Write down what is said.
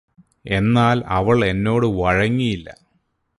എന്നാല് അവൾ എന്നോട് വഴങ്ങിയില്ല